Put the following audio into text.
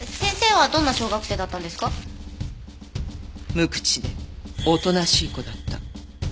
無口でおとなしい子だった。